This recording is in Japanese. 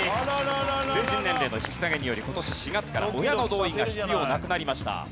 成人年齢の引き下げにより今年４月から親の同意が必要なくなりました。